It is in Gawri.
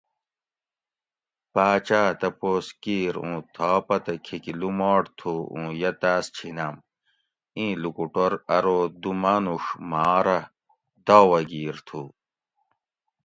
باچاۤ تپوس کِیر اُوں تھا پتہ کِھیکی لُوماٹ تُھو اوں یہ تاۤس چِھینۤم؟ ایں لوکوٹور ارو دُو مانوڛ ما رہ دعوہ گیر تھو